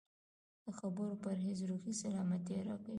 د خبرو پرهېز روحي سلامتیا راکوي.